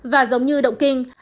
và giống như động kinh